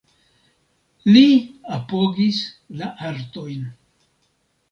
Li apogis la artojn.